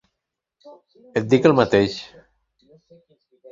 Et dic el mateix.